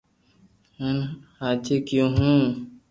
ھين ھاي ڪيو ھون